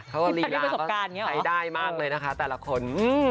ถ้าว่ารีลาก็ใช้ได้มากเลยนะคะแต่ละคน